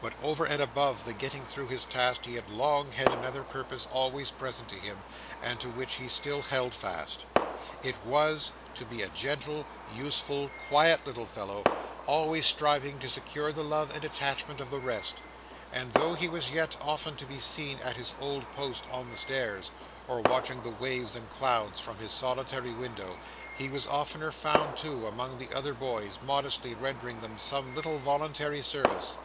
But over and above the getting through his tasks, he had long had another purpose always present to him, and to which he still held fast. It was, to be a gentle, useful, quiet little fellow, always striving to secure the love and attachment of the rest; and though he was yet often to be seen at his old post on the stairs, or watching the waves and clouds from his solitary window, he was oftener found, too, among the other boys, modestly rendering them some little voluntary service.